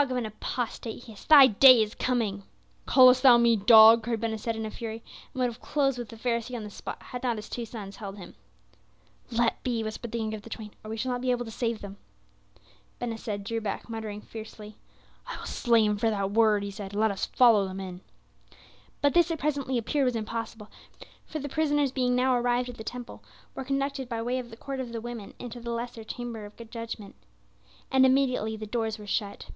"Dog of an apostate!" he hissed, "thy day is coming." "Callest thou me dog?" cried Ben Hesed in a fury, and would have closed with the Pharisee on the spot, had not his two sons held him. "Let be," whispered the younger of the twain, "or we shall not be able to save them." Ben Hesed drew back, muttering fiercely. "I will slay him for that word," he said. "Let us follow them in." But this it presently appeared was impossible; for the prisoners being now arrived at the Temple, were conducted by way of the Court of the Women into the lesser chamber of judgment. And immediately the doors were shut.